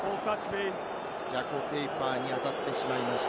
ヤコ・ペイパーに当たってしまいました。